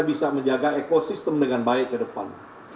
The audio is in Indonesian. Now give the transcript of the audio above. bisa menjaga ekosistem dengan baik ke depan